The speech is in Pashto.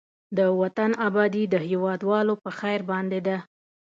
د وطن آبادي د هېوادوالو په خير باندې ده.